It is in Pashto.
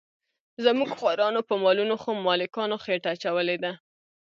زموږ خوارانو په مالونو خو ملکانو خېټه اچولې ده.